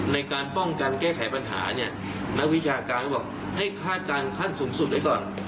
ในการป้องกันแก้ไขปัญหาเนี่ยนักวิชาการก็บอกให้คาดการณ์ขั้นสูงสุดไว้ก่อน